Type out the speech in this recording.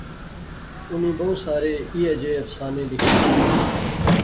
اُنی بہوں سارے ایہہ جئے افسانے لیخے